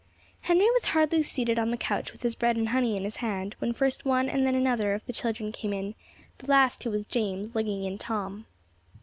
Henry was hardly seated on the couch with his bread and honey in his hand, when first one and then another of the children came in: the last who came was James, lugging in Tom.